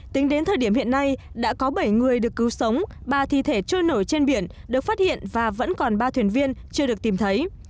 tính đến thời điểm hiện nay đã có bảy người được cứu sống ba thi thể trôi nổi trên biển được phát hiện và vẫn còn ba thuyền viên chưa được tìm thấy